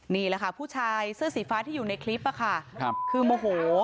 นี่แหละค่ะผู้ชายเสื้อสีฟ้าที่อยู่ในคลิปค่ะคือโมโห